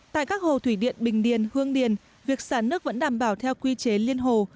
tại các hồ thủy điện bình điền hương điền việc xả nước vẫn đảm bảo theo quy chế liên hồ